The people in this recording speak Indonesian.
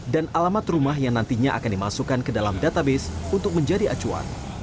dan alamat rumah yang nantinya akan dimasukkan ke dalam database untuk menjadi acuan